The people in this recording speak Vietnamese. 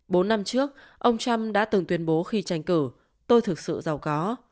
bốn năm trước ông trump đã từng tuyên bố khi tranh cử tôi thực sự giàu có